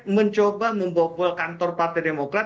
mencoba membobol kantor partai demokrat